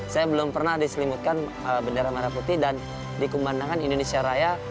saya belum pernah diselimutkan bendera merah putih dan dikumandangkan indonesia raya